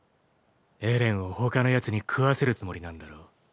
エレンを他の奴に食わせるつもりなんだろ？